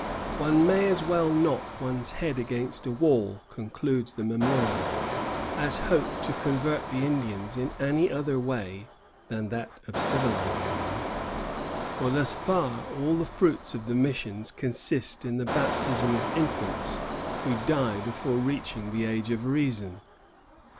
"One may as well knock one's head against a wall," concludes the memorial, "as hope to convert the Indians in any other way [than that of civilizing them]; for thus far all the fruits of the missions consist in the baptism of infants who die before reaching the age of reason."